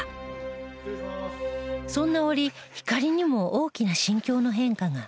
そんな折ひかりにも大きな心境の変化が